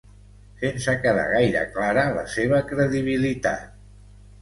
Sense quedar gaire clara la seva credibilitat.